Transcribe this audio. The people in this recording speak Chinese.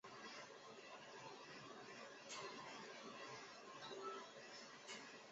国立台湾艺术大学影剧科毕业。